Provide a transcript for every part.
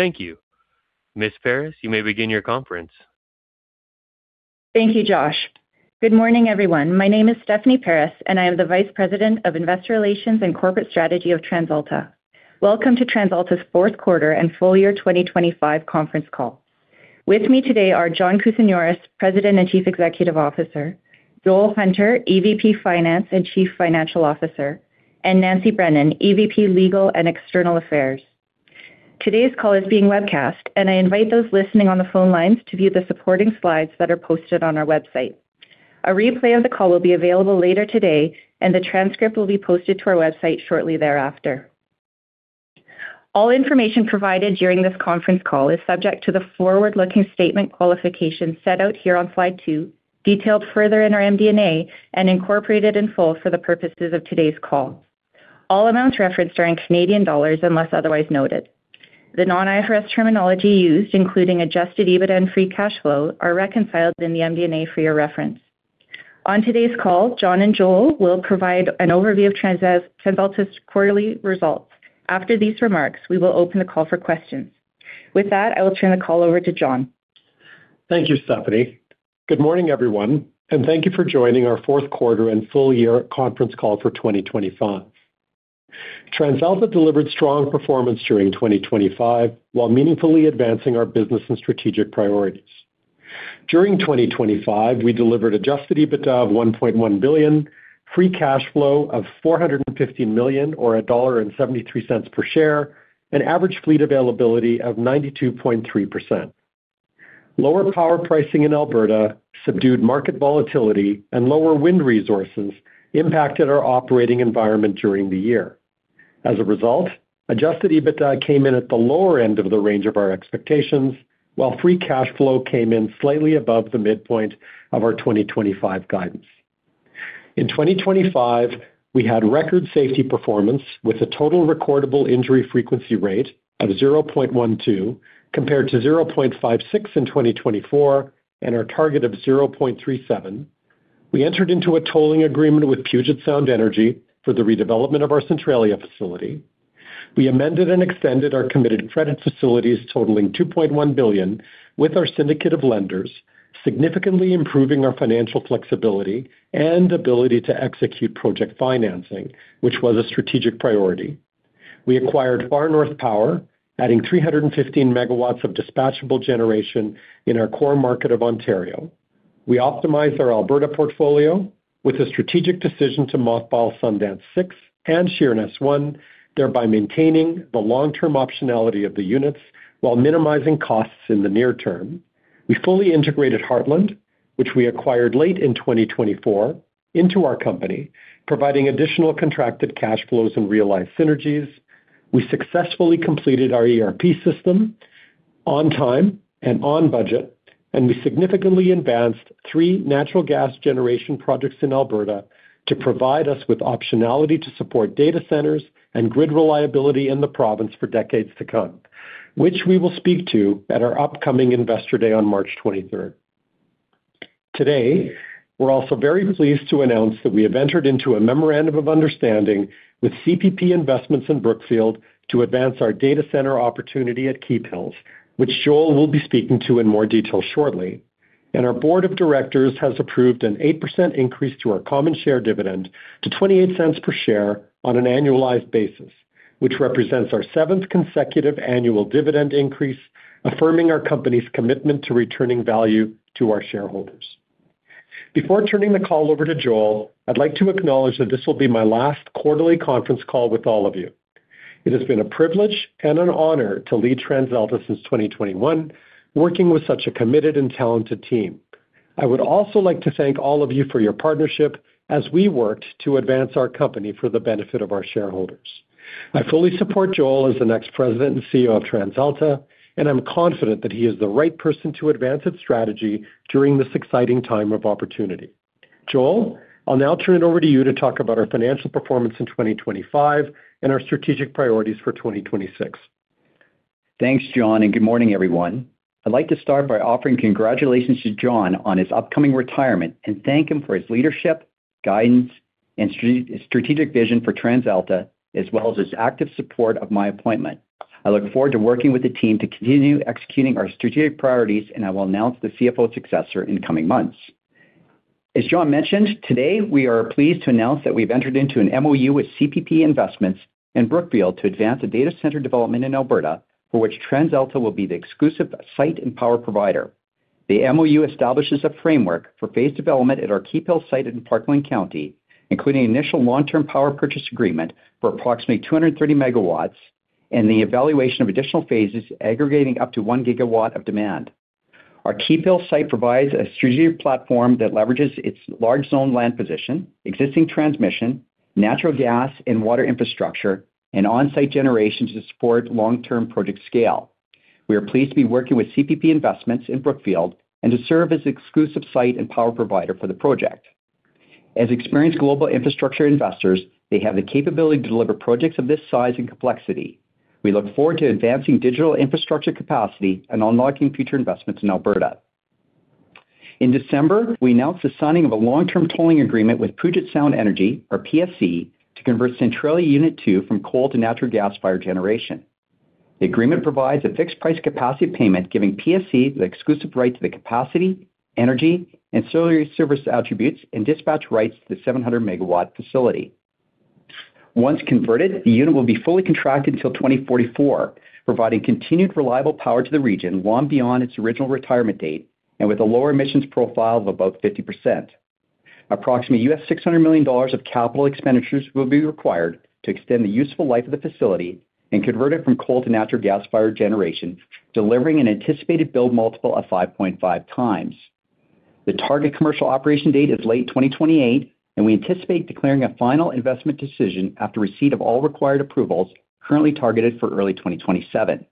Thank you. Ms. Paris, you may begin your conference. Thank you, Josh. Good morning, everyone. My name is Stephanie Paris, and I am the Vice President of Investor Relations and Corporate Strategy of TransAlta. Welcome to TransAlta's Q4 and FY 2025 Conference Call. With me today are John Kousinioris, President and Chief Executive Officer; Joel Hunter, EVP Finance and Chief Financial Officer; and Nancy Brennan, EVP, Legal and External Affairs. Today's call is being webcast, and I invite those listening on the phone lines to view the supporting slides that are posted on our website. A replay of the call will be available later today, and the transcript will be posted to our website shortly thereafter. All information provided during this conference call is subject to the forward-looking statement qualification set out here on slide two, detailed further in our MD&A, and incorporated in full for the purposes of today's call. All amounts referenced are in Canadian dollars, unless otherwise noted. The non-IFRS terminology used, including Adjusted EBITDA and free cash flow, are reconciled in the MD&A for your reference. On today's call, John and Joel will provide an overview of TransAlta's quarterly results. After these remarks, we will open the call for questions. With that, I will turn the call over to John. Thank you, Stephanie. Good morning, everyone, thank you for joining our Q4 and FY conference call for 2025. TransAlta delivered strong performance during 2025, while meaningfully advancing our business and strategic priorities. During 2025, we delivered Adjusted EBITDA of 1.1 billion, free cash flow of 450 million, or 1.73 dollar per share, an average fleet availability of 92.3%. Lower power pricing in Alberta, subdued market volatility, and lower wind resources impacted our operating environment during the year. As a result, Adjusted EBITDA came in at the lower end of the range of our expectations, while free cash flow came in slightly above the midpoint of our 2025 guidance. In 2025, we had record safety performance, with a total recordable injury frequency rate of 0.12, compared to 0.56 in 2024 and our target of 0.37. We entered into a tolling agreement with Puget Sound Energy for the redevelopment of our Centralia facility. We amended and extended our committed credit facilities, totaling 2.1 billion, with our syndicate of lenders, significantly improving our financial flexibility and ability to execute project financing, which was a strategic priority. We acquired Far North Power, adding 315 MW of dispatchable generation in our core market of Ontario. We optimized our Alberta portfolio with a strategic decision to mothball Sundance 6 and Sheerness 1, thereby maintaining the long-term optionality of the units while minimizing costs in the near term. We fully integrated Heartland, which we acquired late in 2024, into our company, providing additional contracted cash flows and realized synergies. We successfully completed our ERP system on time and on budget, we significantly advanced three natural gas generation projects in Alberta to provide us with optionality to support data centers and grid reliability in the province for decades to come, which we will speak to at our upcoming Investor Day on March 23rd. Today, we're also very pleased to announce that we have entered into a memorandum of understanding with CPP Investments in Brookfield to advance our data center opportunity at Keephills, which Joel will be speaking to in more detail shortly. Our board of directors has approved an 8% increase to our common share dividend to 0.28 per share on an annualized basis, which represents our seventh consecutive annual dividend increase, affirming our company's commitment to returning value to our shareholders. Before turning the call over to Joel, I'd like to acknowledge that this will be my last quarterly conference call with all of you. It has been a privilege and an honor to lead TransAlta since 2021, working with such a committed and talented team. I would also like to thank all of you for your partnership as we worked to advance our company for the benefit of our shareholders. I fully support Joel as the next President and CEO of TransAlta, and I'm confident that he is the right person to advance its strategy during this exciting time of opportunity. Joel, I'll now turn it over to you to talk about our financial performance in 2025 and our strategic priorities for 2026. Thanks, John, good morning, everyone. I'd like to start by offering congratulations to John on his upcoming retirement and thank him for his leadership, guidance, and strategic vision for TransAlta, as well as his active support of my appointment. I look forward to working with the team to continue executing our strategic priorities, and I will announce the CFO successor in coming months. As John mentioned, today, we are pleased to announce that we've entered into an MOU with CPP Investments in Brookfield to advance a data center development in Alberta, for which TransAlta will be the exclusive site and power provider. The MOU establishes a framework for phased development at our Keephills site in Parkland County, including initial long-term power purchase agreement for approximately 230 MW and the evaluation of additional phases aggregating up to 1 GW of demand. Our Keephills site provides a strategic platform that leverages its large zoned land position, existing transmission, natural gas and water infrastructure, and on-site generation to support long-term project scale. We are pleased to be working with CPP Investments in Brookfield and to serve as exclusive site and power provider for the project. As experienced global infrastructure investors, they have the capability to deliver projects of this size and complexity. We look forward to advancing digital infrastructure capacity and unlocking future investments in Alberta. In December, we announced the signing of a long-term tolling agreement with Puget Sound Energy, or PSE, to convert Centralia Unit Two from coal to natural gas-fired generation. The agreement provides a fixed-price capacity payment, giving PSE the exclusive right to the capacity, energy, and ancillary service attributes and dispatch rights to the 700 MW facility. Once converted, the unit will be fully contracted until 2044, providing continued reliable power to the region long beyond its original retirement date and with a lower emissions profile of about 50%. Approximately $600 million of capital expenditures will be required to extend the useful life of the facility and convert it from coal to natural gas-fired generation, delivering an anticipated build multiple of 5.5x. The target commercial operation date is late 2028. We anticipate declaring a Final Investment Decision after receipt of all required approvals, currently targeted for early 2027.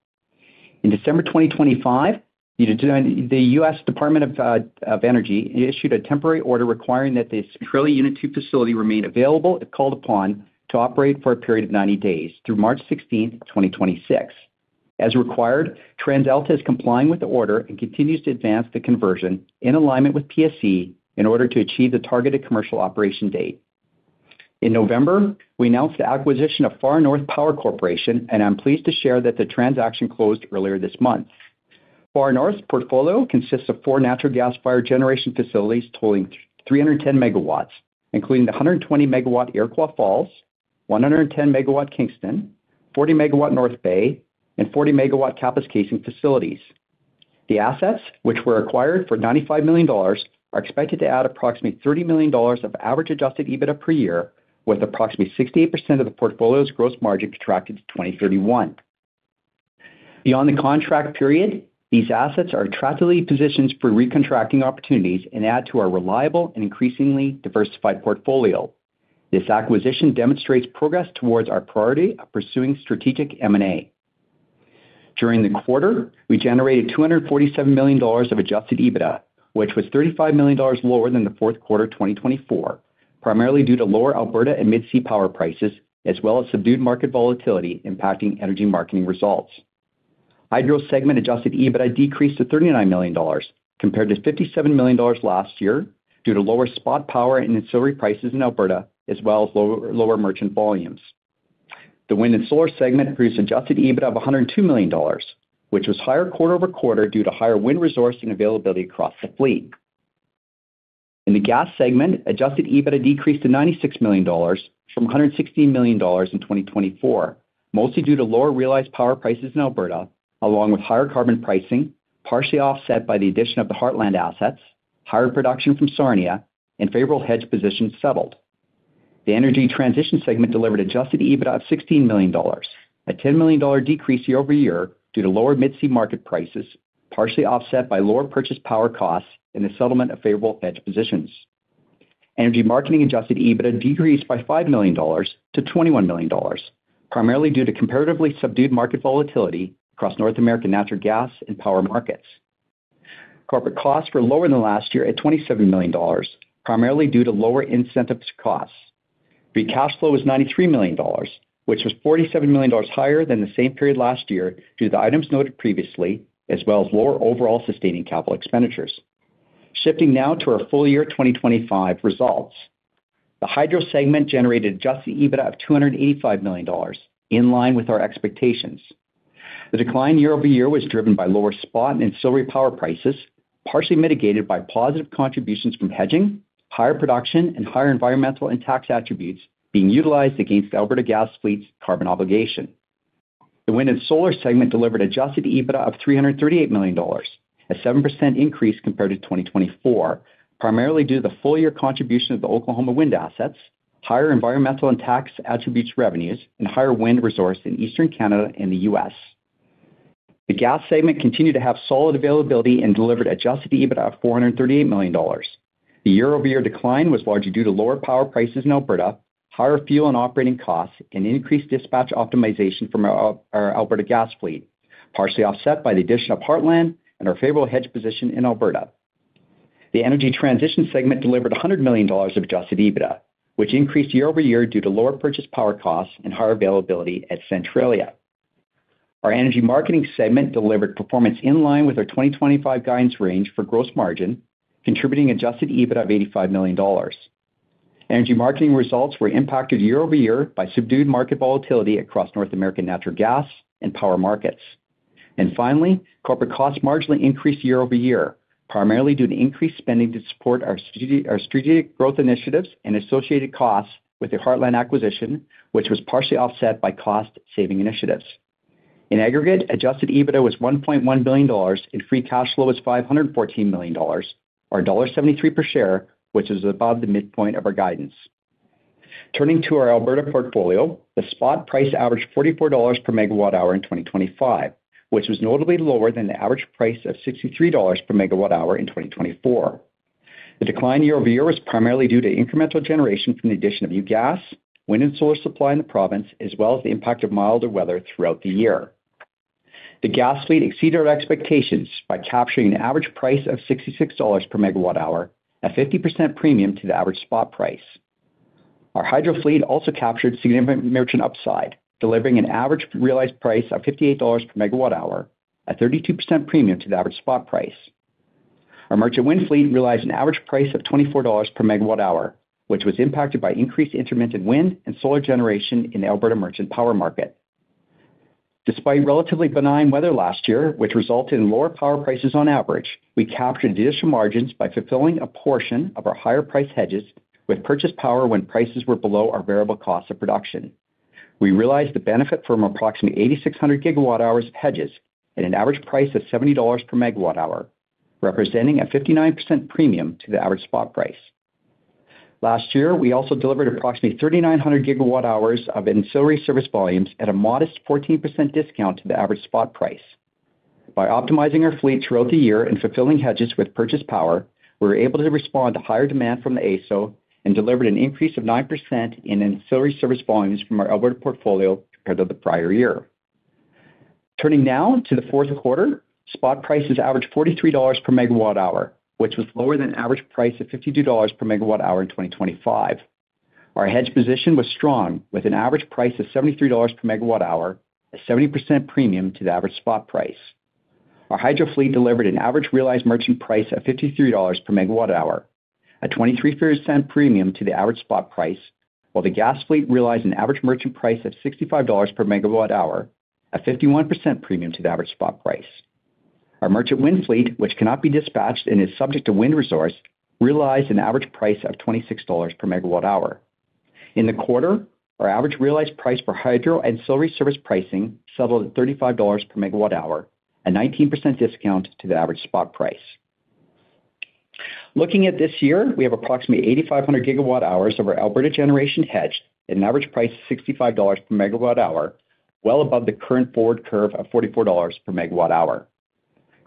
In December 2025, the U.S. Department of Energy issued a temporary order requiring that the Centralia Unit Two facility remain available, if called upon, to operate for a period of 90 days through March 16th, 2026. As required, TransAlta is complying with the order and continues to advance the conversion in alignment with PSE in order to achieve the targeted commercial operation date. In November, we announced the acquisition of Far North Power Corporation, and I'm pleased to share that the transaction closed earlier this month. Far North's portfolio consists of four natural gas-fired generation facilities totaling 310 MW, including the 120-megawatt Iroquois Falls, 110 MW Kingston, 40 MW North Bay, and 40-megawatt Kapuskasing facilities. The assets, which were acquired for 95 million dollars, are expected to add approximately 30 million dollars of average Adjusted EBITDA per year, with approximately 68% of the portfolio's gross margin contracted to 2031. Beyond the contract period, these assets are attractively positioned for recontracting opportunities and add to our reliable and increasingly diversified portfolio. This acquisition demonstrates progress towards our priority of pursuing strategic M&A. During the quarter, we generated 247 million dollars of Adjusted EBITDA, which was 35 million dollars lower than the fourth quarter of 2024, primarily due to lower Alberta and Mid-C power prices, as well as subdued market volatility impacting energy marketing results. Hydro segment Adjusted EBITDA decreased to 39 million dollars, compared to 57 million dollars last year, due to lower spot power and ancillary prices in Alberta, as well as lower merchant volumes. The wind and solar segment produced Adjusted EBITDA of 102 million dollars, which was higher quarter-over-quarter due to higher wind resource and availability across the fleet. In the gas segment, Adjusted EBITDA decreased to 96 million dollars from 116 million dollars in 2024, mostly due to lower realized power prices in Alberta, along with higher carbon pricing, partially offset by the addition of the Heartland assets, higher production from Sarnia, and favorable hedge positions settled. The energy transition segment delivered Adjusted EBITDA of 16 million dollars, a 10 million dollar decrease year-over-year due to lower Mid-C market prices, partially offset by lower purchased power costs and the settlement of favorable hedge positions. Energy marketing Adjusted EBITDA decreased by 5 million dollars to 21 million dollars, primarily due to comparatively subdued market volatility across North American natural gas and power markets. Corporate costs were lower than last year at 27 million dollars, primarily due to lower incentive costs. Free cash flow was 93 million dollars, which was 47 million dollars higher than the same period last year due to the items noted previously, as well as lower overall sustaining capital expenditures. Shifting now to our full year 2025 results. The hydro segment generated Adjusted EBITDA of 285 million dollars, in line with our expectations. The decline year-over-year was driven by lower spot and ancillary power prices, partially mitigated by positive contributions from hedging, higher production, and higher environmental and tax attributes being utilized against the Alberta gas fleet's carbon obligation. The wind and solar segment delivered Adjusted EBITDA of 338 million dollars, a 7% increase compared to 2024, primarily due to the full year contribution of the Oklahoma wind assets, higher environmental and tax attributes revenues, and higher wind resource in Eastern Canada and the U.S. The gas segment continued to have solid availability and delivered Adjusted EBITDA of 438 million dollars. The year-over-year decline was largely due to lower power prices in Alberta, higher fuel and operating costs, and increased dispatch optimization from our Alberta gas fleet, partially offset by the addition of Heartland and our favorable hedge position in Alberta. The energy transition segment delivered 100 million dollars of Adjusted EBITDA, which increased year-over-year due to lower purchased power costs and higher availability at Centralia. Our energy marketing segment delivered performance in line with our 2025 guidance range for gross margin, contributing Adjusted EBITDA of 85 million dollars. Energy marketing results were impacted year-over-year by subdued market volatility across North American natural gas and power markets. Finally, corporate costs marginally increased year-over-year, primarily due to increased spending to support our strategic growth initiatives and associated costs with the Heartland acquisition, which was partially offset by cost-saving initiatives. In aggregate, Adjusted EBITDA was 1.1 billion dollars, and free cash flow was 514 million dollars, or dollar 1.73 per share, which is above the midpoint of our guidance. Turning to our Alberta portfolio, the spot price averaged 44 dollars per MWh in 2025, which was notably lower than the average price of 63 dollars per MWh in 2024. The decline year-over-year was primarily due to incremental generation from the addition of new gas, wind, and solar supply in the province, as well as the impact of milder weather throughout the year. The gas fleet exceeded our expectations by capturing an average price of 66 dollars per MWh, a 50% premium to the average spot price. Our hydro fleet also captured significant merchant upside, delivering an average realized price of 58 dollars per megawatt hour, a 32% premium to the average spot price. Our merchant wind fleet realized an average price of 24 dollars per MWh, which was impacted by increased intermittent wind and solar generation in the Alberta merchant power market. Despite relatively benign weather last year, which resulted in lower power prices on average, we captured additional margins by fulfilling a portion of our higher-priced hedges with purchase power when prices were below our variable cost of production. We realized the benefit from approximately 8,600 GWh of hedges at an average price of 70 dollars per MWh, representing a 59% premium to the average spot price. Last year, we also delivered approximately 3,900 GWh of ancillary service volumes at a modest 14% discount to the average spot price. By optimizing our fleet throughout the year and fulfilling hedges with purchase power, we were able to respond to higher demand from the AESO and delivered an increase of 9% in ancillary service volumes from our Alberta portfolio compared to the prior year. Turning now to the Q4, spot prices averaged 43 dollars per MWh, which was lower than an average price of 52 dollars per MWh in 2025. Our hedge position was strong, with an average price of 73 dollars per MWh, a 70% premium to the average spot price. Our hydro fleet delivered an average realized merchant price of 53 dollars per MWh, a 23% premium to the average spot price, while the gas fleet realized an average merchant price of 65 dollars per MWh, a 51% premium to the average spot price. Our merchant wind fleet, which cannot be dispatched and is subject to wind resource, realized an average price of 26 dollars per MWh. In the quarter, our average realized price for hydro ancillary service pricing settled at 35 dollars per MWh, a 19% discount to the average spot price. Looking at this year, we have approximately 8,500 GWh of our Alberta generation hedged at an average price of 65 dollars per MWh, well above the current forward curve of 44 dollars per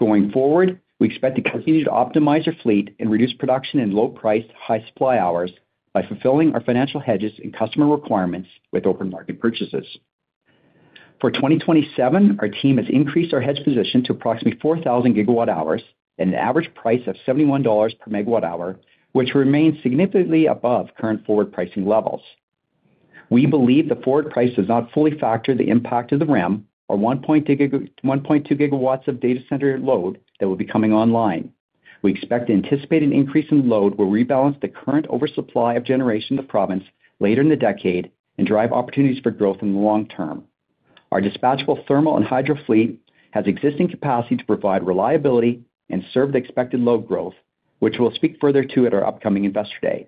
MWh. We expect to continue to optimize our fleet and reduce production in low-price, high-supply hours by fulfilling our financial hedges and customer requirements with open market purchases. For 2027, our team has increased our hedge position to approximately 4,000 GWh at an average price of 71 dollars per MWh, which remains significantly above current forward pricing levels. We believe the forward price does not fully factor the impact of the REM or 1.2 GW of data center load that will be coming online. We expect the anticipated increase in load will rebalance the current oversupply of generation in the province later in the decade and drive opportunities for growth in the long term. Our dispatchable thermal and hydro fleet has existing capacity to provide reliability and serve the expected load growth, which we'll speak further to at our upcoming Investor Day.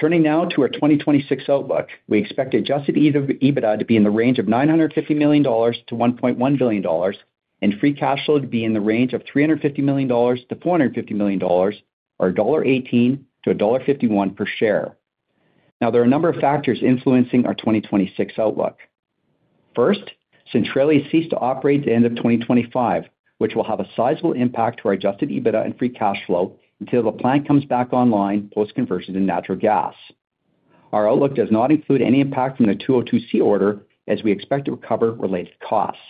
Turning now to our 2026 outlook, we expect Adjusted EBITDA to be in the range of 950 million dollars to 1.1 billion dollars, and free cash flow to be in the range of 350 million dollars to 450 million dollars, or dollar 1.18 to dollar 1.51 per share. There are a number of factors influencing our 2026 outlook. Centralia ceased to operate at the end of 2025, which will have a sizable impact to our Adjusted EBITDA and free cash flow until the plant comes back online post-conversion to natural gas. Our outlook does not include any impact from the 202(c) order, as we expect to recover related costs.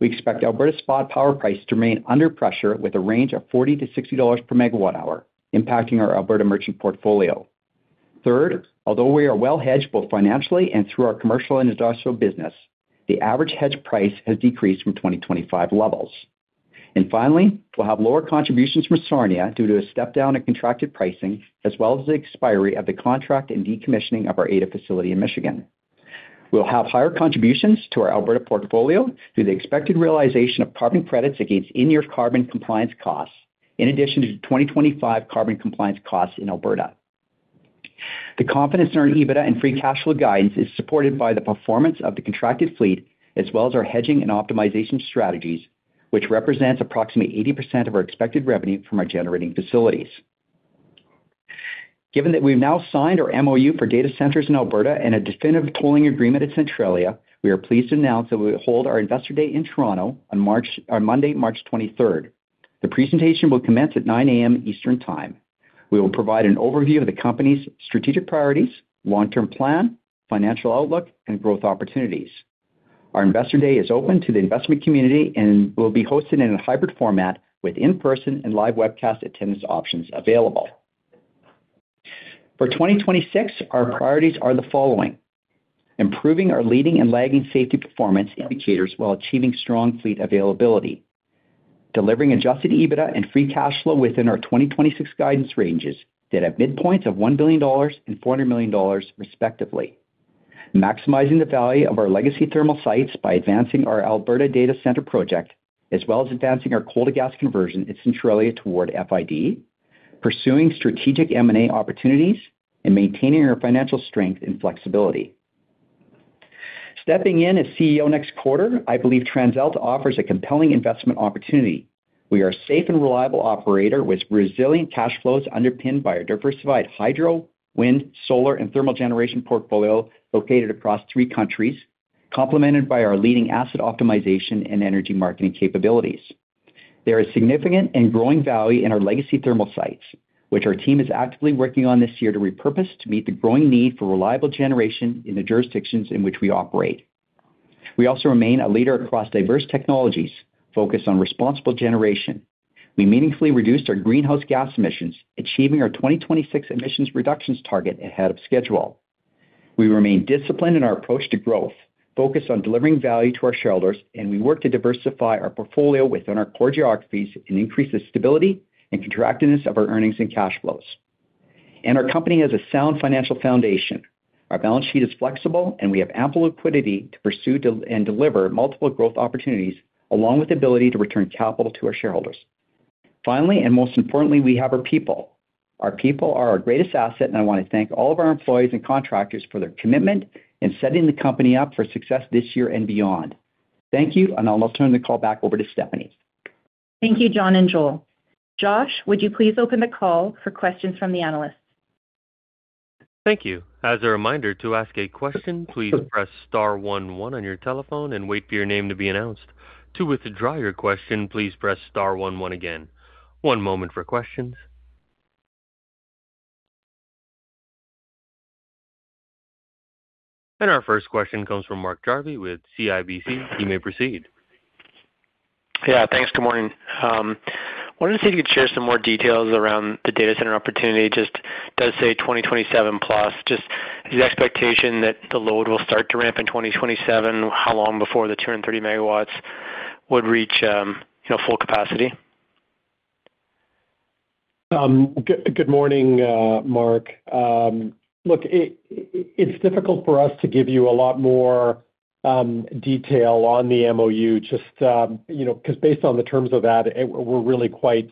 We expect Alberta spot power price to remain under pressure with a range of 40 to 60 dollars per MWh, impacting our Alberta merchant portfolio. Although we are well hedged both financially and through our commercial and industrial business, the average hedge price has decreased from 2025 levels. Finally, we'll have lower contributions from Sarnia due to a step down in contracted pricing, as well as the expiry of the contract and decommissioning of our Ada facility in Michigan. We'll have higher contributions to our Alberta portfolio through the expected realization of carbon credits against in-year carbon compliance costs, in addition to the 2025 carbon compliance costs in Alberta. The confidence in our EBITDA and free cash flow guidance is supported by the performance of the contracted fleet, as well as our hedging and optimization strategies, which represents approximately 80% of our expected revenue from our generating facilities. Given that we've now signed our MOU for data centers in Alberta and a definitive tolling agreement at Centralia, we are pleased to announce that we will hold our Investor Day in Toronto on Monday, March 23rd. The presentation will commence at 9:00 A.M. eastern time. We will provide an overview of the company's strategic priorities, long-term plan, financial outlook, and growth opportunities. Our Investor Day is open to the investment community and will be hosted in a hybrid format with in-person and live webcast attendance options available. For 2026, our priorities are the following: improving our leading and lagging safety performance indicators while achieving strong fleet availability, delivering Adjusted EBITDA and free cash flow within our 2026 guidance ranges that have midpoints of 1 billion dollars and 400 million dollars, respectively, maximizing the value of our legacy thermal sites by advancing our Alberta Data Center project, as well as advancing our cold-to-gas conversion at Centralia toward FID, pursuing strategic M&A opportunities, and maintaining our financial strength and flexibility. Stepping in as CEO next quarter, I believe TransAlta offers a compelling investment opportunity. We are a safe and reliable operator with resilient cash flows underpinned by a diversified hydro, wind, solar, and thermal generation portfolio located across three countries, complemented by our leading asset optimization and energy marketing capabilities. There is significant and growing value in our legacy thermal sites, which our team is actively working on this year to repurpose to meet the growing need for reliable generation in the jurisdictions in which we operate. We also remain a leader across diverse technologies, focused on responsible generation. We meaningfully reduced our greenhouse gas emissions, achieving our 2026 emissions reductions target ahead of schedule. We remain disciplined in our approach to growth, focused on delivering value to our shareholders, and we work to diversify our portfolio within our core geographies and increase the stability and contractedness of our earnings and cash flows. Our company has a sound financial foundation. Our balance sheet is flexible, and we have ample liquidity to pursue and deliver multiple growth opportunities, along with the ability to return capital to our shareholders. Finally, most importantly, we have our people. Our people are our greatest asset. I want to thank all of our employees and contractors for their commitment in setting the company up for success this year and beyond. Thank you. I'll now turn the call back over to Stephanie. Thank you, John and Joel. Josh, would you please open the call for questions from the analysts? Thank you. As a reminder, to ask a question, please press star one one on your telephone and wait for your name to be announced. To withdraw your question, please press star one one again. One moment for questions. Our first question comes from Mark Jarvi with CIBC. You may proceed. Yeah, thanks. Good morning. I wanted to see if you could share some more details around the data center opportunity, just does say 2027+. Just the expectation that the load will start to ramp in 2027, how long before the 230 MW would reach, you know, full capacity? Good morning, Mark. Look, it's difficult for us to give you a lot more detail on the MOU, just, you know, because based on the terms of that, we're really quite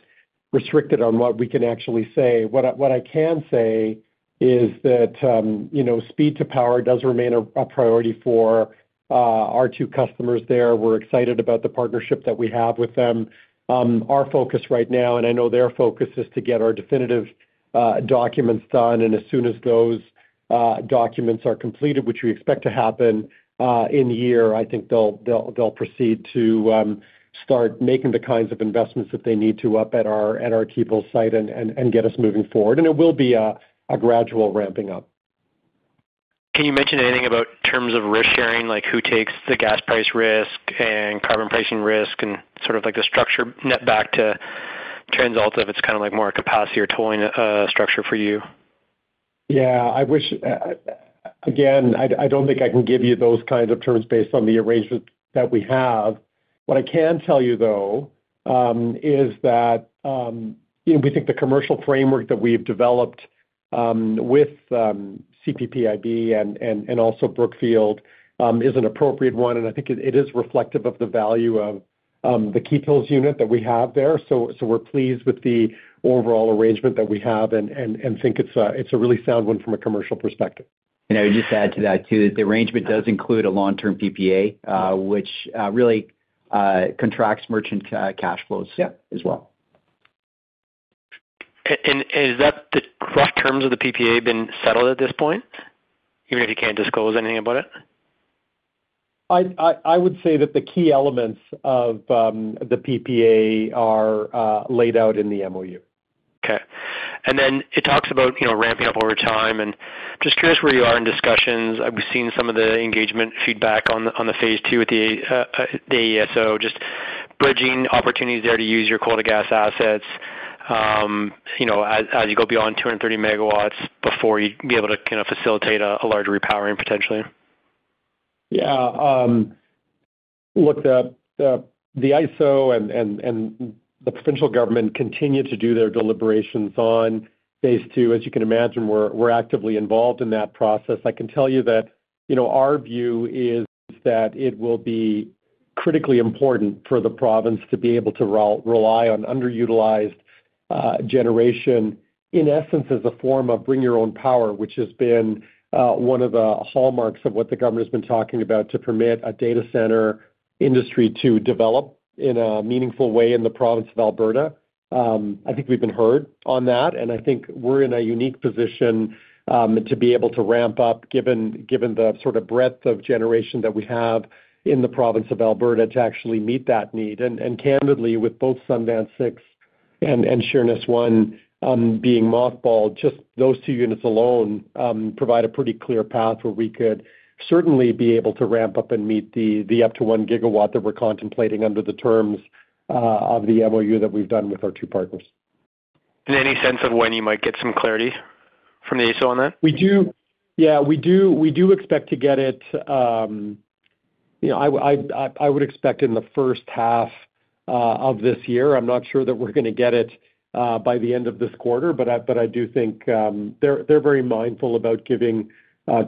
restricted on what we can actually say. What I can say is that, you know, speed to power does remain a priority for our two customers there. We're excited about the partnership that we have with them. Our focus right now, and I know their focus, is to get our definitive documents done, and as soon as those documents are completed, which we expect to happen in the year, I think they'll proceed to start making the kinds of investments that they need to up at our Keephills site and get us moving forward. It will be a gradual ramping up. Can you mention anything about terms of risk sharing? Like, who takes the gas price risk and carbon pricing risk, and sort of like the structure net back to TransAlta, if it's kind of like more a capacity or tolling structure for you? Yeah, I wish, I don't think I can give you those kinds of terms based on the arrangement that we have. What I can tell you, though, is that, you know, we think the commercial framework that we've developed with CPPIB and also Brookfield is an appropriate one, and I think it is reflective of the value of the Keephills unit that we have there. We're pleased with the overall arrangement that we have and think it's a really sound one from a commercial perspective. I would just add to that, too, that the arrangement does include a long-term PPA, which really contracts merchant cash flows. Yeah As well. Is that the rough terms of the PPA been settled at this point, even if you can't disclose anything about it? I would say that the key elements of the PPA are laid out in the MOU. Okay. It talks about, you know, ramping up over time, and just curious where you are in discussions. I've seen some of the engagement feedback on the phase two with the AESO, so just bridging opportunities there to use your quarter gas assets, you know, as you go beyond 230 MW before you'd be able to kind of facilitate a larger repowering potentially. Yeah. Look, the AESO and the provincial government continue to do their deliberations on phase two. As you can imagine, we're actively involved in that process. I can tell you that, you know, our view is that it will be critically important for the province to be able to rely on underutilized generation, in essence, as a form of bring your own power, which has been one of the hallmarks of what the government has been talking about, to permit a data center industry to develop in a meaningful way in the province of Alberta. I think we've been heard on that, and I think we're in a unique position to be able to ramp up, given the sort of breadth of generation that we have in the province of Alberta, to actually meet that need. Candidly, with both Sundance 6 and Sheerness 1 being mothballed, just those two units alone provide a pretty clear path where we could certainly be able to ramp up and meet the up to one GW that we're contemplating under the terms of the MOU that we've done with our two partners. Any sense of when you might get some clarity from the AESO on that? We do. Yeah, we do. We do expect to get it, you know, I would expect in the first half of this year. I'm not sure that we're going to get it by the end of this quarter, but I do think they're very mindful about giving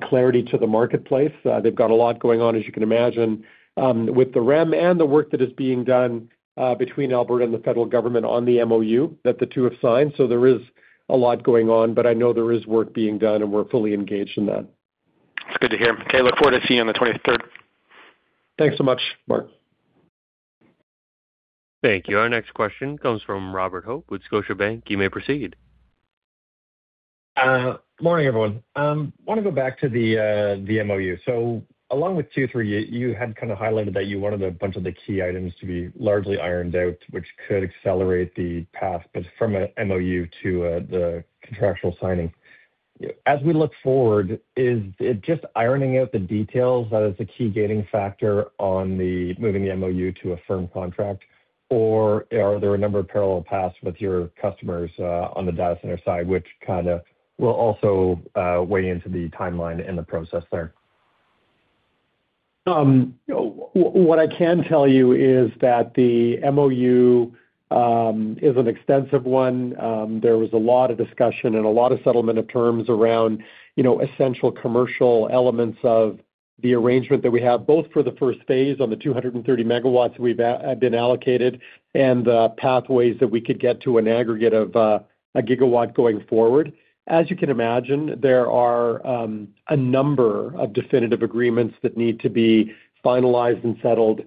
clarity to the marketplace. They've got a lot going on, as you can imagine, with the REM and the work that is being done between Alberta and the federal government on the MOU that the two have signed. There is a lot going on, but I know there is work being done, and we're fully engaged in that. It's good to hear. Okay, look forward to seeing you on the twenty-third. Thanks so much, Mark. Thank you. Our next question comes from Robert Hope with Scotiabank. You may proceed. Good morning, everyone. Want to go back to the MOU. Along with Q3, you had kind of highlighted that you wanted a bunch of the key items to be largely ironed out, which could accelerate the path, but from a MOU to the contractual signing. As we look forward, is it just ironing out the details that is the key gating factor on moving the MOU to a firm contract? Or are there a number of parallel paths with your customers, on the data center side, which kind of will also weigh into the timeline and the process there? What I can tell you is that the MOU is an extensive one. There was a lot of discussion and a lot of settlement of terms around, you know, essential commercial elements of the arrangement that we have, both for the first phase on the 230 MW we've been allocated, and the pathways that we could get to an aggregate of a gigawatt going forward. As you can imagine, there are a number of definitive agreements that need to be finalized and settled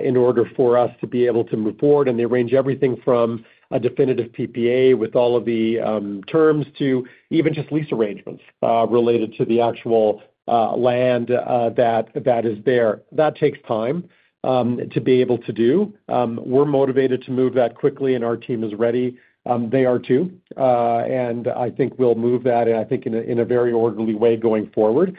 in order for us to be able to move forward, and they range everything from a definitive PPA with all of the terms to even just lease arrangements related to the actual land that is there. That takes time to be able to do. We're motivated to move that quickly, and our team is ready. They are too, and I think we'll move that, and I think in a very orderly way going forward.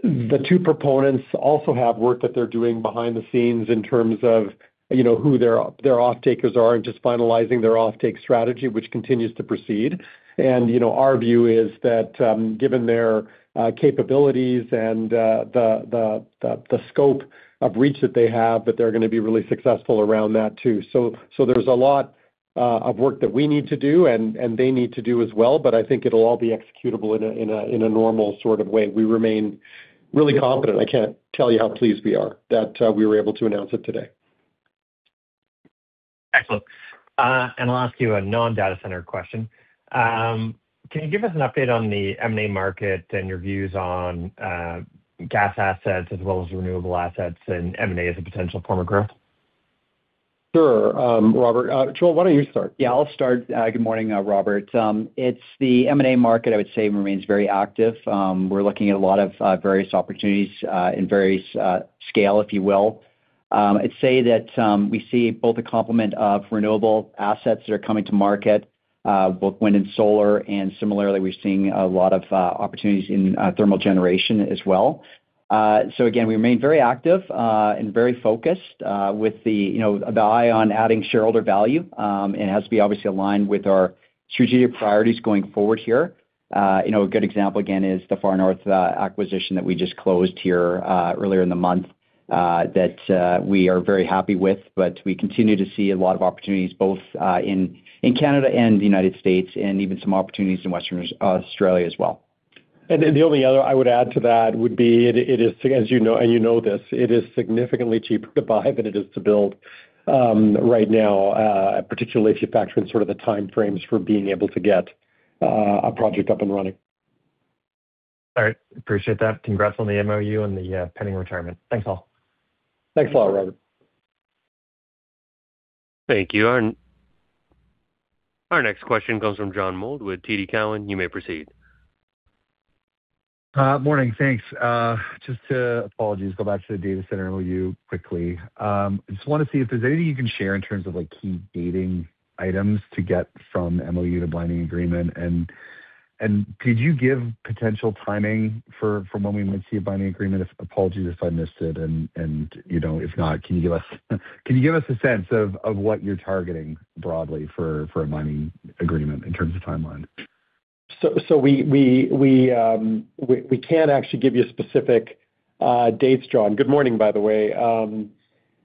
The two proponents also have work that they're doing behind the scenes in terms of, you know, who their offtakers are, and just finalizing their offtake strategy, which continues to proceed. You know, our view is that, given their capabilities and the scope of reach that they have, that they're gonna be really successful around that too. There's a lot of work that we need to do, and they need to do as well, but I think it'll all be executable in a normal sort of way. We remain really confident. I can't tell you how pleased we are that, we were able to announce it today. Excellent. I'll ask you a non-data center question. Can you give us an update on the M&A market and your views on gas assets as well as renewable assets, and M&A as a potential form of growth? Sure, Robert. Joel, why don't you start? Yeah, I'll start. Good morning, Robert. It's the M&A market, I would say, remains very active. We're looking at a lot of various opportunities in various scale, if you will. I'd say that we see both a complement of renewable assets that are coming to market, both wind and solar, and similarly, we're seeing a lot of opportunities in thermal generation as well. Again, we remain very active and very focused with the, you know, the eye on adding shareholder value. It has to be obviously aligned with our strategic priorities going forward here. You know, a good example, again, is the Far North acquisition that we just closed here earlier in the month that we are very happy with. We continue to see a lot of opportunities both, in Canada and the United States, and even some opportunities in Western Australia as well. The only other I would add to that would be it is, as you know, and you know this, it is significantly cheaper to buy than it is to build, right now, particularly if you factor in sort of the timeframes for being able to get a project up and running. All right. Appreciate that. Congrats on the MOU and the pending retirement. Thanks, all. Thanks a lot, Robert. Thank you. Our next question comes from John Mould with TD Cowen. You may proceed. Morning, thanks. Just to, apologies, go back to the data center MOU quickly. Just want to see if there's anything you can share in terms of, like, key gating items to get from MOU to binding agreement. Could you give potential timing for, from when we might see a binding agreement? Apologies if I missed it, and, you know, if not, can you give us a sense of what you're targeting broadly for a binding agreement in terms of timeline? We can't actually give you specific dates, John. Good morning, by the way.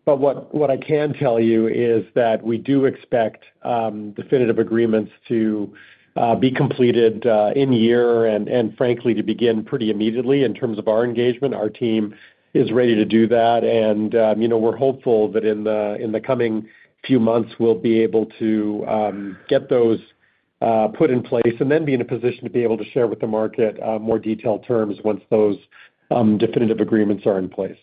What I can tell you is that we do expect definitive agreements to be completed in year, and frankly, to begin pretty immediately in terms of our engagement. Our team is ready to do that, and you know, we're hopeful that in the coming few months, we'll be able to get those put in place, and then be in a position to be able to share with the market more detailed terms once those definitive agreements are in place.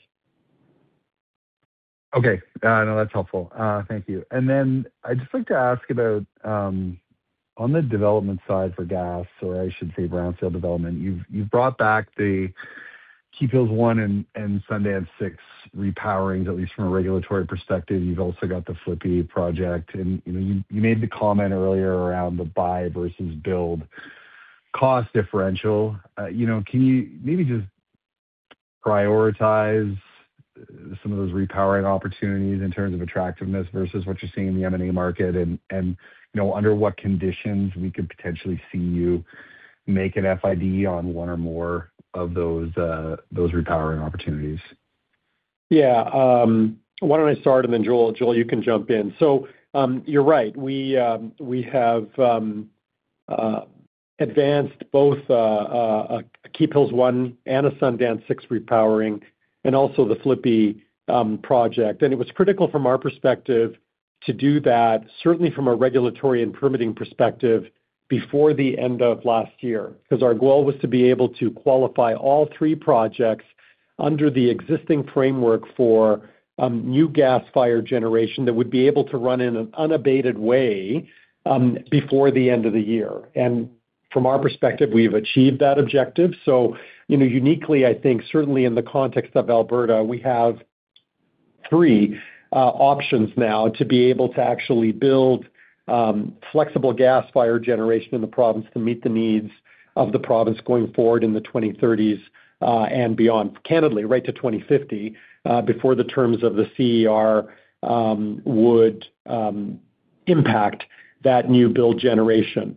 Okay. No, that's helpful. Thank you. Then I'd just like to ask about, on the development side for gas, or I should say brownfield development, you've brought back the Keephills 1 and Sundance 6 repowerings, at least from a regulatory perspective. You've also got the Pippy project, and, you know, you made the comment earlier around the buy versus build cost differential. You know, can you maybe just prioritize some of those repowering opportunities in terms of attractiveness versus what you're seeing in the M&A market? And, you know, under what conditions we could potentially see you make an FID on one or more of those repowering opportunities. Yeah, why don't I start. Then Joel, you can jump in. You're right. We have advanced both a Keephills 1 and a Sundance 6 repowering, and also the Pippy project. It was critical from our perspective to do that, certainly from a regulatory and permitting perspective, before the end of last year, because our goal was to be able to qualify all three projects under the existing framework for new gas-fired generation that would be able to run in an unabated way before the end of the year. From our perspective, we've achieved that objective. You know, uniquely, I think, certainly in the context of Alberta, we have. three options now to be able to actually build flexible gas fire generation in the province to meet the needs of the province going forward in the 2030s and beyond. Candidly, right to 2050, before the terms of the CER would impact that new build generation.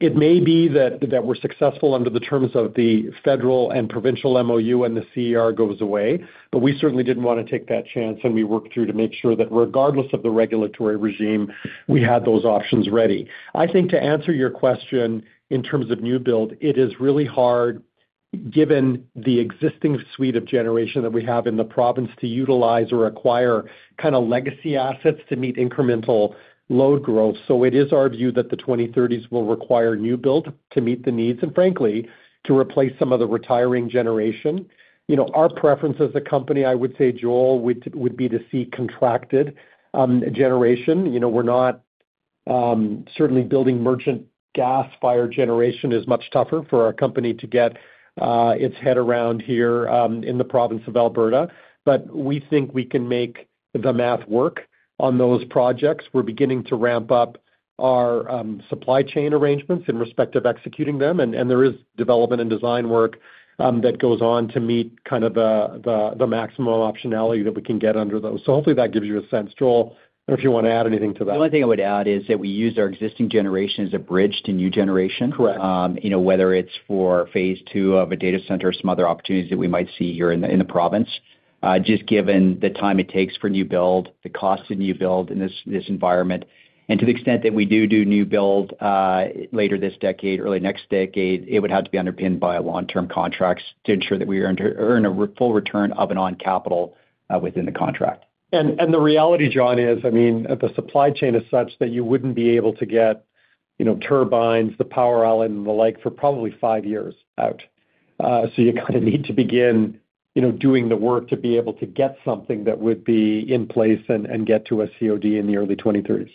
It may be that we're successful under the terms of the federal and provincial MOU, and the CER goes away, but we certainly didn't want to take that chance, and we worked through to make sure that regardless of the regulatory regime, we had those options ready. I think to answer your question, in terms of new build, it is really hard, given the existing suite of generation that we have in the province, to utilize or acquire kind of legacy assets to meet incremental load growth. It is our view that the 2030s will require new build to meet the needs and frankly, to replace some of the retiring generation. You know, our preference as a company, I would say, Joel, would be to see contracted generation. You know, we're not certainly building merchant gas fire generation is much tougher for our company to get its head around here in the province of Alberta. We think we can make the math work on those projects. We're beginning to ramp up our supply chain arrangements in respect of executing them, and there is development and design work that goes on to meet kind of the maximum optionality that we can get under those. Hopefully that gives you a sense, Joel. I don't know if you want to add anything to that. The only thing I would add is that we use our existing generation as a bridge to new generation. Correct. You know, whether it's for phase two of a data center or some other opportunities that we might see here in the province. Just given the time it takes for new build, the cost of new build in this environment, and to the extent that we do new build later this decade, early next decade, it would have to be underpinned by long-term contracts to ensure that we earn a full return on capital within the contract. The reality, John, is, I mean, the supply chain is such that you wouldn't be able to get, you know, turbines, the power island, and the like, for probably five years out. You kind of need to begin, you know, doing the work to be able to get something that would be in place and get to a COD in the early 2030s.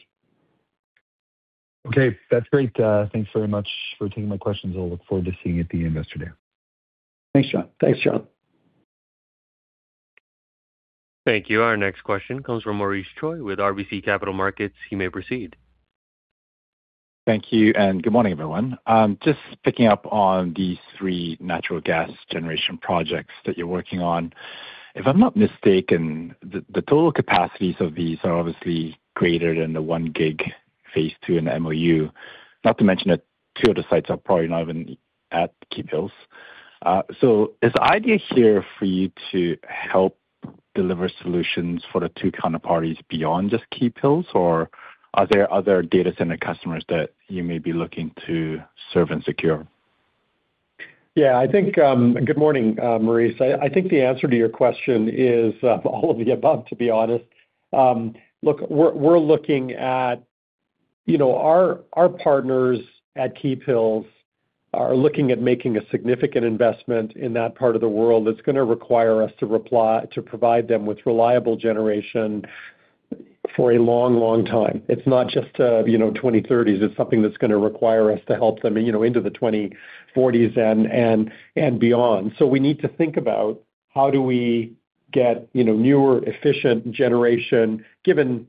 Okay. That's great. Thanks very much for taking my questions. I'll look forward to seeing you at the Investor Day. Thanks, John. Thanks, John. Thank you. Our next question comes from Maurice Choy with RBC Capital Markets. He may proceed. Thank you. Good morning, everyone. Just picking up on these three natural gas generation projects that you're working on. If I'm not mistaken, the total capacities of these are obviously greater than the 1 gig phase II in the MOU. Not to mention that two of the sites are probably not even at Keephills. Is the idea here for you to help deliver solutions for the two counterparties beyond just Keephills, or are there other data center customers that you may be looking to serve and secure? Yeah, I think. Good morning, Maurice. I think the answer to your question is all of the above, to be honest. Look, we're looking at, you know, our partners at Keephills are looking at making a significant investment in that part of the world that's going to require us to provide them with reliable generation for a long, long time. It's not just, you know, 2030s, it's something that's going to require us to help them, you know, into the 2040s and beyond. We need to think about how do we get, you know, newer, efficient generation, given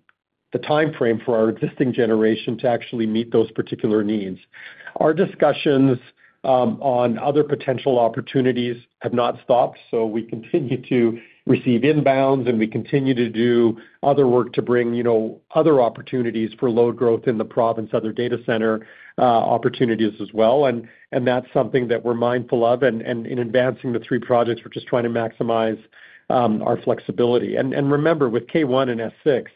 the timeframe for our existing generation, to actually meet those particular needs. Our discussions on other potential opportunities have not stopped, so we continue to receive inbounds, and we continue to do other work to bring, you know, other opportunities for load growth in the province, other data center opportunities as well. That's something that we're mindful of, and in advancing the three projects, we're just trying to maximize our flexibility. Remember, with K1 and S6,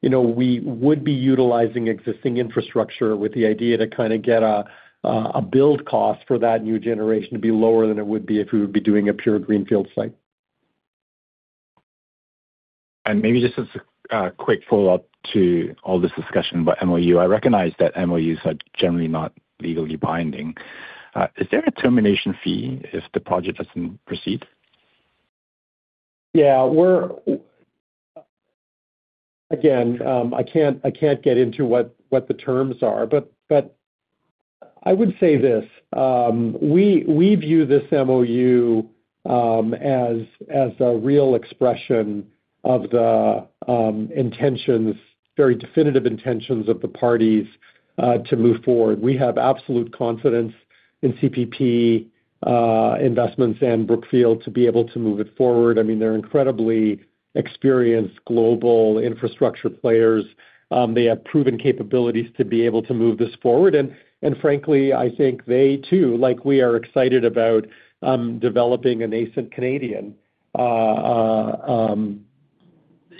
you know, we would be utilizing existing infrastructure with the idea to kind of get a build cost for that new generation to be lower than it would be if we would be doing a pure greenfield site. Maybe just as a quick follow-up to all this discussion about MOU. I recognize that MOUs are generally not legally binding. Is there a termination fee if the project doesn't proceed? Yeah, Again, I can't get into what the terms are, but I would say this: We view this MOU as a real expression of the intentions, very definitive intentions of the parties to move forward. We have absolute confidence in CPP Investments and Brookfield to be able to move it forward. I mean, they're incredibly experienced global infrastructure players. They have proven capabilities to be able to move this forward. Frankly, I think they too, like we are excited about developing a nascent Canadian,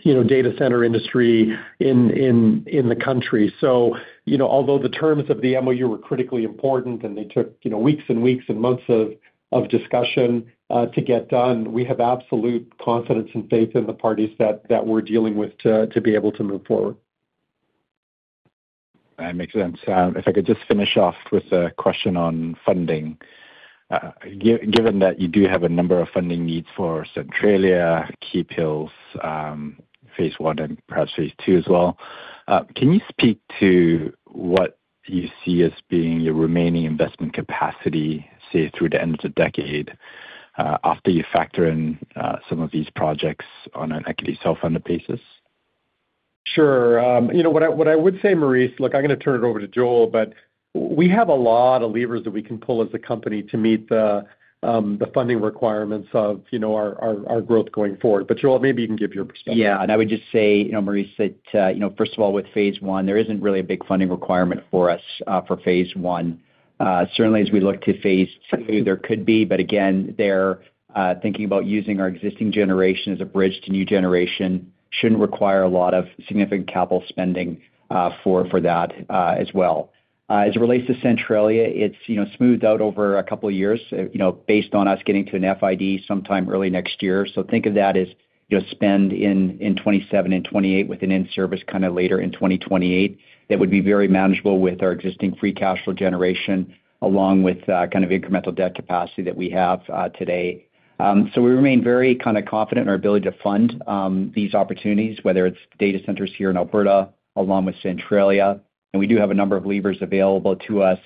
you know, data center industry in the country. You know, although the terms of the MOU were critically important and they took, you know, weeks and weeks and months of discussion, to get done, we have absolute confidence and faith in the parties that we're dealing with to be able to move forward. That makes sense. If I could just finish off with a question on funding. Given that you do have a number of funding needs for Centralia, Keephills, phase one and perhaps phase II as well. Can you speak to what you see as being your remaining investment capacity, say, through the end of the decade, after you factor in some of these projects on an equity self-funded basis? Sure. you know what I, what I would say, Maurice, look, I'm going to turn it over to Joel, but we have a lot of levers that we can pull as a company to meet the funding requirements of, you know, our, our growth going forward. Joel, maybe you can give your perspective. I would just say, you know, Maurice, that, you know, first of all, with phase I, there isn't really a big funding requirement for us for phase I. Certainly as we look to phase II, there could be, but again, there, thinking about using our existing generation as a bridge to new generation shouldn't require a lot of significant capital spending for that as well. As it relates to Centralia, it's, you know, smoothed out over a couple of years, you know, based on us getting to an FID sometime early next year. Think of that as, you know, spend in 2027 and 2028 with an in-service kind of later in 2028. That would be very manageable with our existing free cash flow generation, along with kind of incremental debt capacity that we have today. We remain very kind of confident in our ability to fund these opportunities, whether it's data centers here in Alberta, along with Centralia, and we do have a number of levers available to us,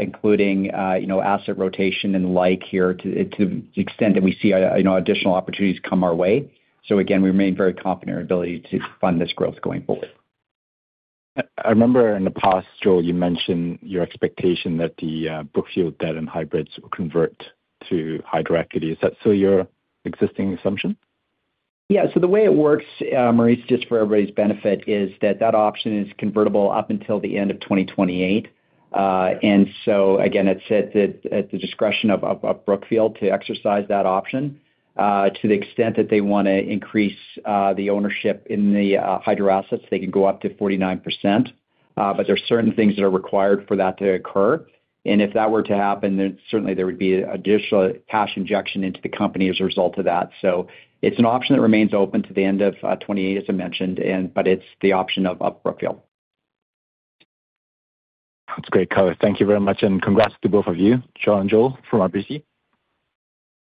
including, you know, asset rotation and like here, to the extent that we see, you know, additional opportunities come our way. Again, we remain very confident in our ability to fund this growth going forward. I remember in the past, Joel, you mentioned your expectation that the Brookfield debt and hybrids will convert to hydro equity. Is that still your existing assumption? Yeah. The way it works, Maurice, just for everybody's benefit, is that that option is convertible up until the end of 2028. Again, it's at the discretion of Brookfield to exercise that option. To the extent that they want to increase, the ownership in the hydro assets, they can go up to 49%. There are certain things that are required for that to occur, and if that were to happen, then certainly there would be additional cash injection into the company as a result of that. It's an option that remains open to the end of 2028, as I mentioned, but it's the option of Brookfield. That's great coverage. Thank you very much, and congrats to both of you, John and Joel, from RBC.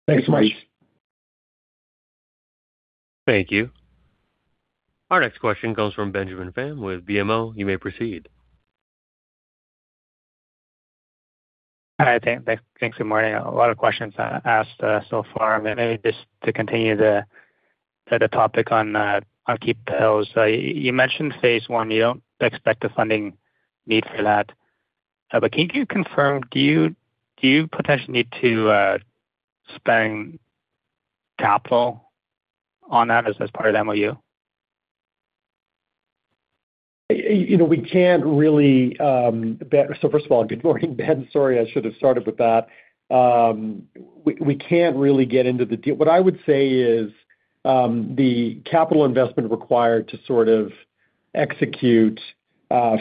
Thanks so much. Thanks, Maurice. Thank you. Our next question comes from Benjamin Pham with BMO. You may proceed. Hi, thanks. Good morning. A lot of questions asked so far, maybe just to continue the topic on Keephills. You mentioned phase one. You don't expect a funding need for that. Can you confirm, do you potentially need to spend capital on that as part of the MOU? You know, we can't really. First of all, good morning, Ben. Sorry, I should have started with that. We can't really get into what I would say is, the capital investment required to sort of execute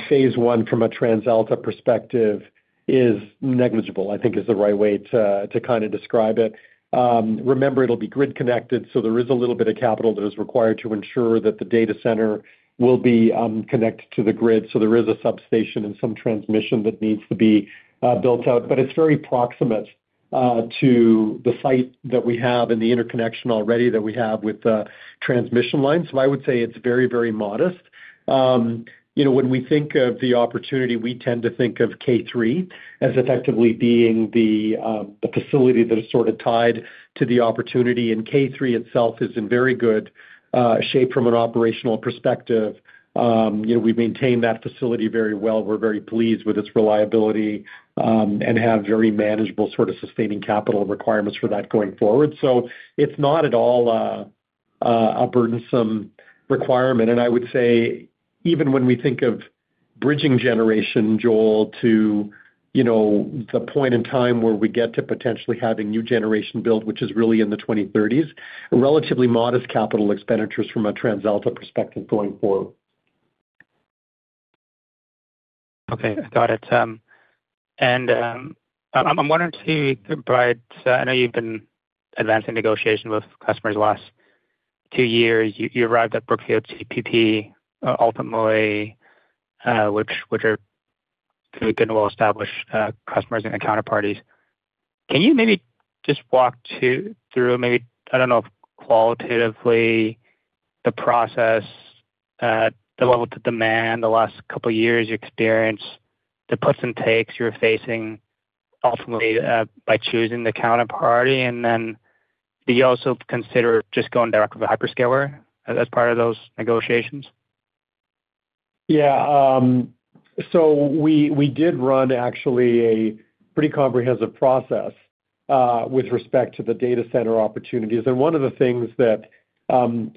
phase one from a TransAlta perspective is negligible, I think is the right way to kind of describe it. Remember, it'll be grid connected. There is a little bit of capital that is required to ensure that the data center will be connected to the grid. There is a substation and some transmission that needs to be built out, but it's very proximate to the site that we have and the interconnection already that we have with the transmission lines. I would say it's very, very modest. You know, when we think of the opportunity, we tend to think of K3 as effectively being the facility that is sort of tied to the opportunity, and K3 itself is in very good shape from an operational perspective. You know, we've maintained that facility very well. We're very pleased with its reliability, and have very manageable sort of sustaining capital requirements for that going forward. It's not at all a burdensome requirement. I would say even when we think of bridging generation, Joel, to, you know, the point in time where we get to potentially having new generation build, which is really in the 2030s, relatively modest capital expenditures from a TransAlta perspective going forward. Okay, got it. I'm wondering too, I know you've been advancing negotiations with customers the last two years. You arrived at Brookfield CPP, ultimately, which are pretty good and well-established customers and counterparties. Can you maybe just walk through maybe, I don't know, qualitatively, the process, the level of demand, the last couple of years experience, the puts and takes you're facing ultimately by choosing the counterparty? Do you also consider just going direct with a hyperscaler as part of those negotiations? We did run actually a pretty comprehensive process with respect to the data center opportunities. One of the things that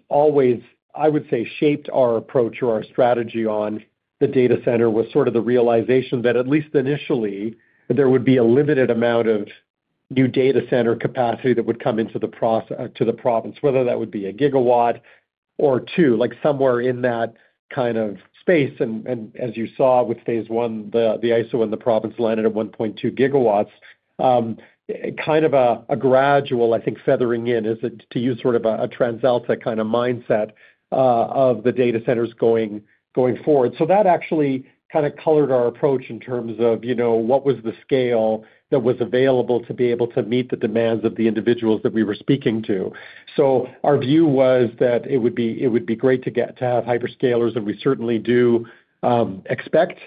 always, I would say, shaped our approach or our strategy on the data center was sort of the realization that, at least initially, there would be a limited amount of new data center capacity that would come into the province, whether that would be one GW or two, like somewhere in that kind of space. As you saw with phase one, the AESO and the province landed at 1.2 GW. Kind of a gradual, I think, feathering in, is it, to use sort of a TransAlta kind of mindset of the data centers going forward. That actually kind of colored our approach in terms of what was the scale that was available to be able to meet the demands of the individuals that we were speaking to. Our view was that it would be great to have hyperscalers, and we certainly do expect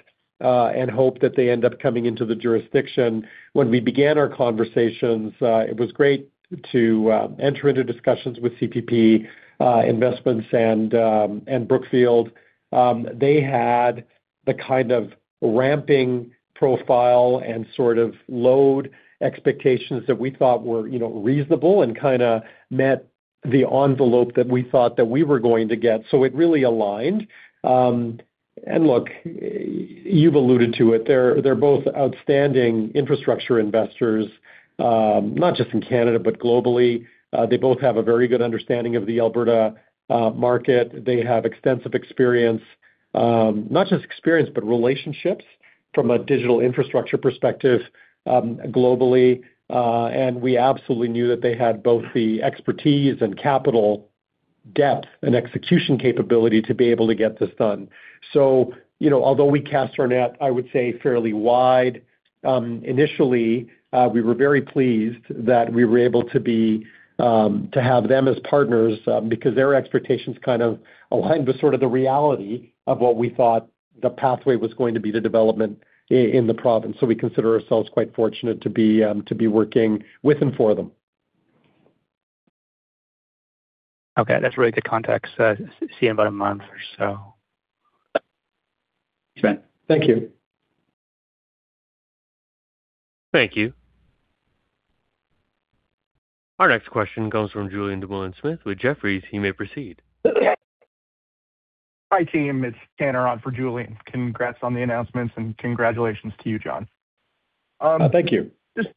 and hope that they end up coming into the jurisdiction. When we began our conversations, it was great to enter into discussions with CPP Investments and Brookfield. They had the kind of ramping profile and sort of load expectations that we thought were reasonable and kind of met the envelope that we thought that we were going to get. It really aligned. And look, you've alluded to it, they're both outstanding infrastructure investors, not just in Canada but globally. They both have a very good understanding of the Alberta market. They have extensive experience, not just experience, but relationships from a digital infrastructure perspective, globally, and we absolutely knew that they had both the expertise and capital depth and execution capability to be able to get this done. You know, although we cast our net, I would say, fairly wide, initially, we were very pleased that we were able to be to have them as partners, because their expectations kind of aligned with sort of the reality of what we thought the pathway was going to be, the development in the province. We consider ourselves quite fortunate to be working with and for them. Okay, that's really good context. See you in about a month or so. Thanks. Thank you. Thank you. Our next question comes from Julien Dumoulin-Smith with Jefferies. He may proceed. Hi, team, it's Tanner on for Julien. Congrats on the announcements, and congratulations to you, John. Thank you. Just,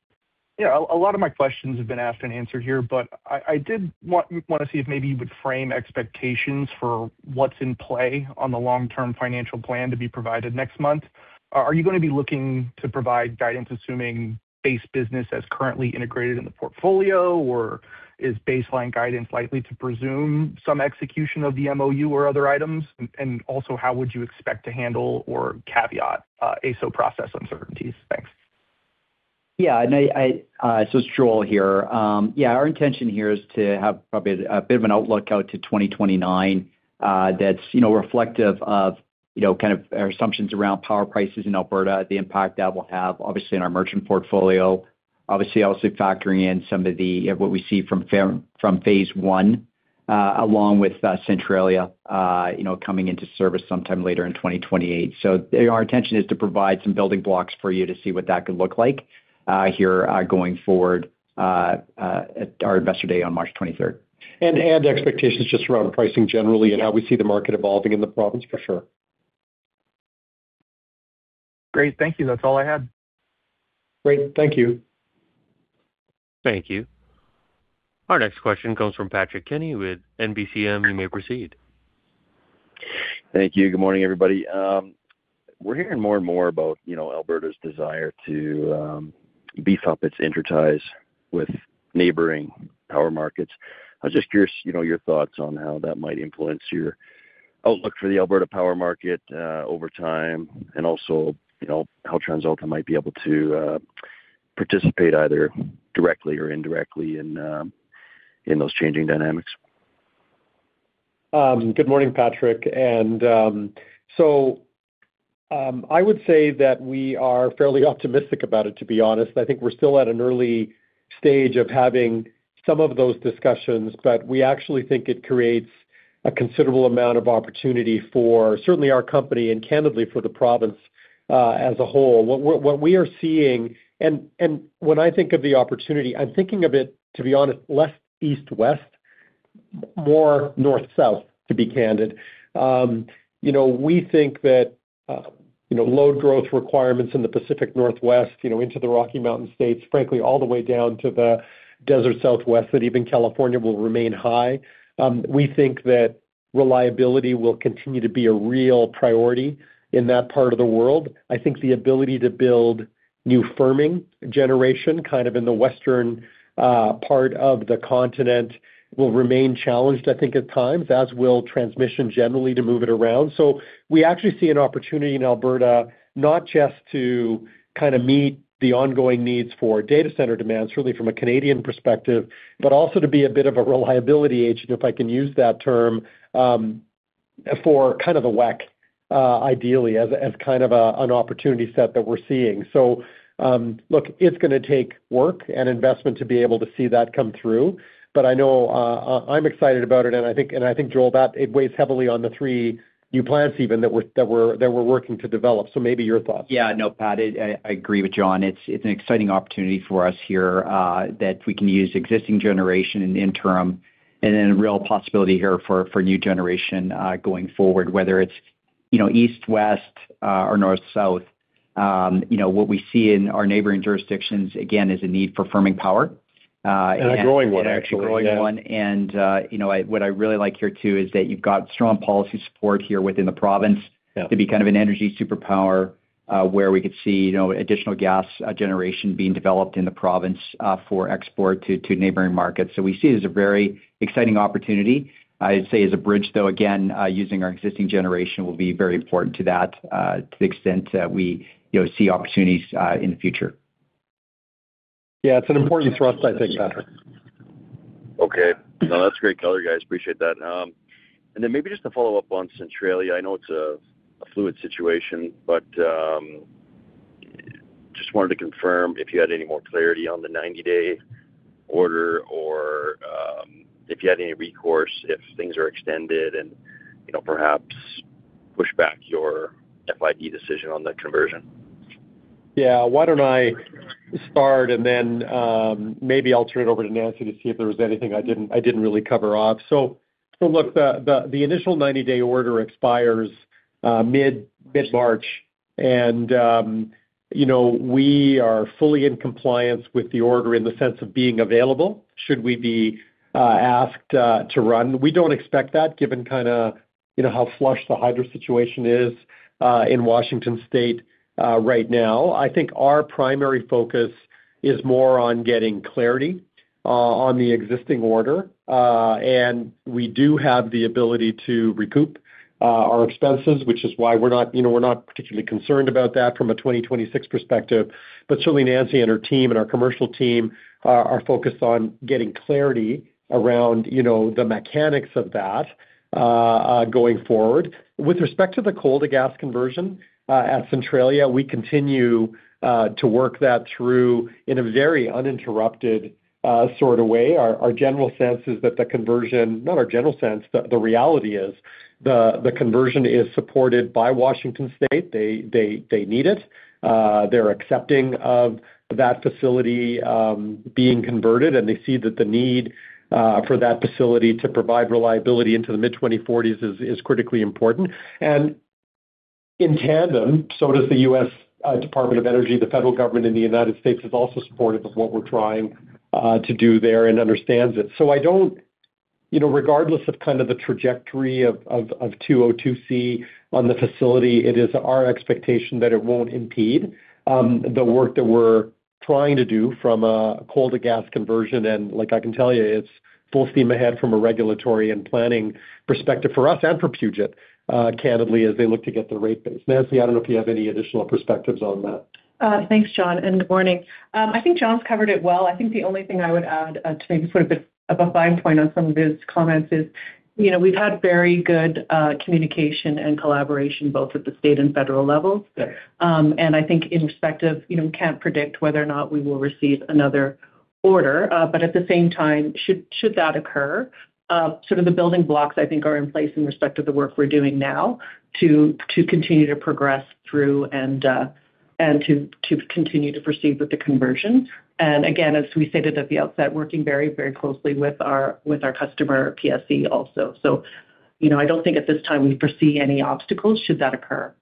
you know, a lot of my questions have been asked and answered here. I did want to see if maybe you would frame expectations for what's in play on the long-term financial plan to be provided next month. Are you going to be looking to provide guidance, assuming base business as currently integrated in the portfolio, or is baseline guidance likely to presume some execution of the MOU or other items? Also, how would you expect to handle or caveat AESO process uncertainties? Thanks. It's Joel here. Our intention here is to have probably a bit of an outlook out to 2029, that's, you know, reflective of, you know, kind of our assumptions around power prices in Alberta, the impact that will have, obviously, in our merchant portfolio. Obviously, also factoring in some of the, what we see from phase one, along with Centralia, you know, coming into service sometime later in 2028. Our intention is to provide some building blocks for you to see what that could look like here going forward at our Investor Day on March 23rd. Expectations just around pricing generally and how we see the market evolving in the province, for sure. Great. Thank you. That's all I had. Great. Thank you. Thank you. Our next question comes from Patrick Kenny with NBCM. You may proceed. Thank you. Good morning, everybody. We're hearing more and more about, you know, Alberta's desire to beef up its interties with neighboring power markets. I was just curious, you know, your thoughts on how that might influence your outlook for the Alberta power market over time, and also, you know, how TransAlta might be able to participate either directly or indirectly in those changing dynamics? Good morning, Patrick. I would say that we are fairly optimistic about it, to be honest. I think we're still at an early stage of having some of those discussions, but we actually think it creates a considerable amount of opportunity for certainly our company and candidly, for the province as a whole. What we are seeing. When I think of the opportunity, I'm thinking of it, to be honest, less east-west, more north-south, to be candid. You know, we think that, you know, load growth requirements in the Pacific Northwest, you know, into the Rocky Mountain states, frankly, all the way down to the desert Southwest, that even California will remain high. We think that reliability will continue to be a real priority in that part of the world. I think the ability to build new firming generation, kind of in the western part of the continent, will remain challenged, I think, at times, as will transmission generally to move it around. We actually see an opportunity in Alberta, not just to kind of meet the ongoing needs for data center demands, really from a Canadian perspective, but also to be a bit of a reliability agent, if I can use that term, for kind of the WECC, ideally, as kind of a an opportunity set that we're seeing. Look, it's going to take work and investment to be able to see that come through, but I know, I'm excited about it, and I think, Joel, that it weighs heavily on the three new plants even that we're working to develop. Maybe your thoughts? Yeah. No, Pat, I agree with John. It's an exciting opportunity for us here, that we can use existing generation in the interim and then a real possibility here for new generation, going forward, whether it's, you know, east-west, or north-south. You know, what we see in our neighboring jurisdictions, again, is a need for firming power. A growing one, actually. A growing one. You know, what I really like here, too, is that you've got strong policy support here within the province. Yeah To be kind of an energy superpower, where we could see, you know, additional gas, generation being developed in the province, for export to neighboring markets. We see it as a very exciting opportunity. I'd say as a bridge, though, again, using our existing generation will be very important to that, to the extent that we, you know, see opportunities, in the future. Yeah, it's an important thrust, I think, Patrick. Okay. No, that's great color, guys. Appreciate that. Maybe just to follow up on Centralia, I know it's a fluid situation, but just wanted to confirm if you had any more clarity on the 90-day order or if you had any recourse, if things are extended and, you know, perhaps push back your FID decision on the conversion? Yeah. Why don't I start, maybe I'll turn it over to Nancy to see if there was anything I didn't really cover off. Look, the initial 90-day order expires mid-March. You know, we are fully in compliance with the order in the sense of being available, should we be asked to run. We don't expect that, given kind of, you know, how flush the hydro situation is in Washington State right now. I think our primary focus is more on getting clarity on the existing order. We do have the ability to recoup our expenses, which is why we're not, you know, we're not particularly concerned about that from a 2026 perspective. Certainly, Nancy and her team and our commercial team are focused on getting clarity around, you know, the mechanics of that going forward. With respect to the coal-to-gas conversion at Centralia, we continue to work that through in a very uninterrupted sort of way. Our general sense is that Not our general sense, the reality is the conversion is supported by Washington State. They need it. They're accepting of that facility being converted, and they see that the need for that facility to provide reliability into the mid-2040s is critically important. In tandem, so does the U.S. Department of Energy. The federal government in the United States is also supportive of what we're trying to do there and understands it. I don't. You know, regardless of kind of the trajectory of 202(c) on the facility, it is our expectation that it won't impede the work that we're trying to do from a coal-to-gas conversion. Like I can tell you, it's full steam ahead from a regulatory and planning perspective for us and for Puget, candidly, as they look to get the rate base. Nancy, I don't know if you have any additional perspectives on that? Thanks, John, and good morning. I think John's covered it well. I think the only thing I would add to maybe sort of a fine point on some of his comments is, you know, we've had very good communication and collaboration, both at the state and federal levels. Yes. I think in respect of, you know, we can't predict whether or not we will receive another order. At the same time, should that occur, sort of the building blocks, I think, are in place in respect of the work we're doing now to continue to progress through and to continue to proceed with the conversion. Again, as we stated at the outset, working very closely with our customer, PSE, also. You know, I don't think at this time we foresee any obstacles should that occur.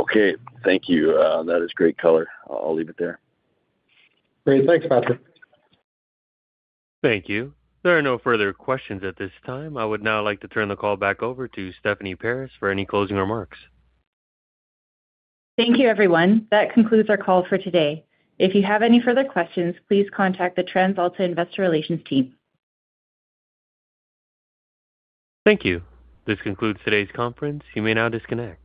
Okay. Thank you. That is great color. I'll leave it there. Great. Thanks, Patrick. Thank you. There are no further questions at this time. I would now like to turn the call back over to Stephanie Paris, for any closing remarks. Thank you, everyone. That concludes our call for today. If you have any further questions, please contact the TransAlta Investor Relations team. Thank you. This concludes today's conference. You may now disconnect.